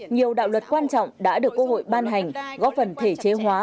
nhiều đạo luật quan trọng đã được quốc hội ban hành góp phần thể chế hóa